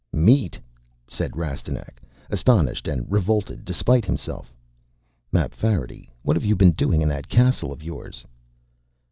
"Meat!" said Rastignac, astonished and revolted despite himself. "Mapfarity, what have you been doing in that castle of yours?"